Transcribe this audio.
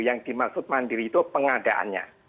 yang dimaksud mandiri itu pengadaannya